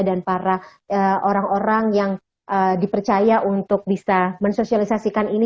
dan para orang orang yang dipercaya untuk bisa mensosialisasikan ini